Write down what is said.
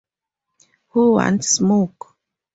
Who Want Smoke?